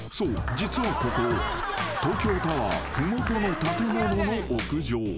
実はここ東京タワー麓の建物の屋上］